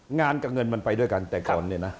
งานกับเงินมันไปด้วยกันแต่ก่อนเนี่ยนะ